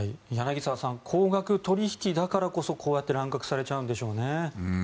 柳澤さん高額取引だからこそこうやって乱獲されちゃうんでしょうね。